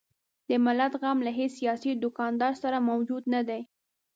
د ملت غم له هیڅ سیاسي دوکاندار سره موجود نه دی.